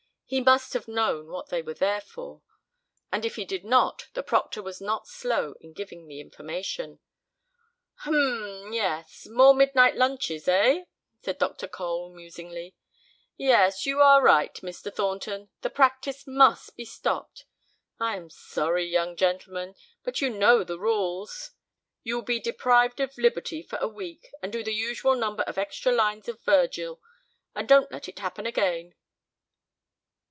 He must have known what they were there for, and if he did not the proctor was not slow in giving the information. "Hum, yes. More midnight lunches, eh?" said Dr. Cole musingly. "Yes, you are right, Mr. Thornton, the practice must be stopped. I am sorry, young gentlemen, but you know the rules. You will be deprived of liberty for a week, and do the usual number of extra lines of Virgil. And don't let it happen again."